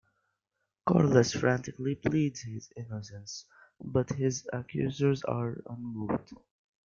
Corliss frantically pleads his innocence, but his accusers are unmoved.